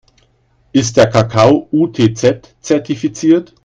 Ist der Kakao UTZ-zertifiziert?